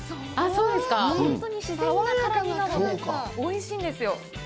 本当に自然な辛みがおいしいんですよ。